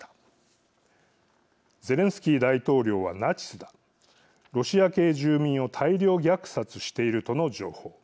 ゼレンスキー大統領はナチスだロシア系住民を大量虐殺しているとの情報。